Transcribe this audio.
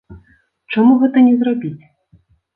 Чаму гэта не зрабіць?